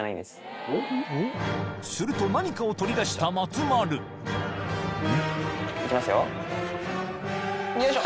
すると何かを取り出した松丸よいしょ。